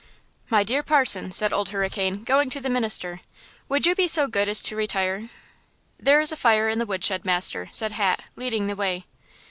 "My dear parson," said Old Hurricane, going to the minister, "would you be so good as to retire?" "There is a fire in the woodshed, master," said Hat, leading the way.